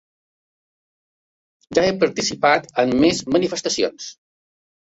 Ja he participat en més manifestacions.